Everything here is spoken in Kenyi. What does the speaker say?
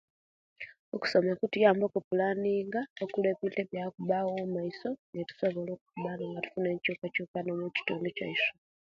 Okusoma kutuyamba okupulanninga okola ebintu ebyaba okubawo omaiso netusobola okuba nga tufuna enkyukakyukana mukitundu kyaisu